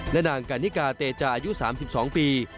และนางกันนิกาเตจาอายุ๓๒ปี